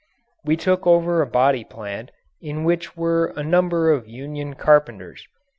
We took over a body plant in which were a number of union carpenters.